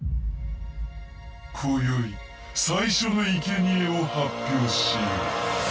こよい最初のいけにえを発表しよう。